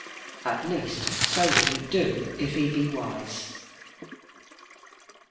At least so will he do if he be wise.